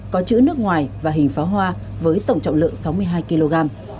có chữ nước ngoài và hình pháo hoa với tổng trọng lượng sáu mươi hai kg